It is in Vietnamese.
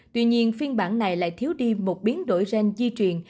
tuy nhiên phiên bản này lại thiếu đi một biến đổi gen di truyền